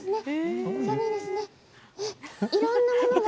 いろんなものが。